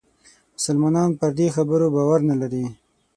مسلمانان پر دې خبرو باور نه لري.